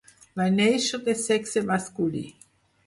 Va néixer de sexe masculí.